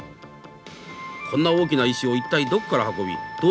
こんな大きな石を一体どこから運びどうして造ったのか。